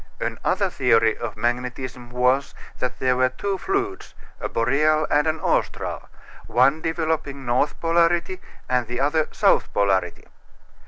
Another theory of magnetism was that there were two fluids a boreal and an austral one developing north polarity and the other south polarity.